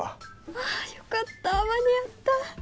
ああよかった間に合った！